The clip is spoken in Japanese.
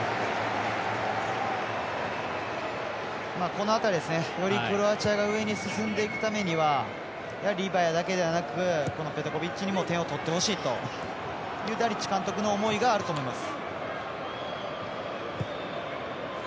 この辺り、よりクロアチアが上に進んでいくためにはリバヤだけでなくペトコビッチにも点を取ってほしいというダリッチ監督の思いがあると思います。